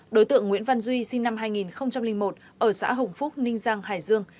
đối tượng nguyễn văn duy sinh năm hai nghìn một ở xã hồng phúc ninh giang hải dương